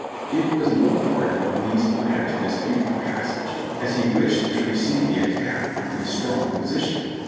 It was no part of Lee's plan to dispute the passage, as he wished to receive the attack on his strong position.